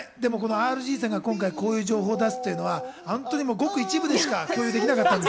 ＲＧさんがこういう情報を出すのはごく一部でしか共有できなかったんで。